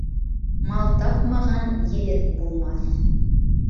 Мал тапмаған егет булмаҫ.